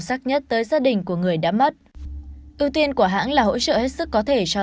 sắc nhất tới gia đình của người đã mất ưu tiên của hãng là hỗ trợ hết sức có thể cho